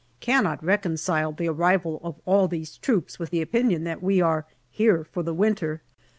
Cannot reconcile the arrival of all these troops with the opinion that we are here for the winter.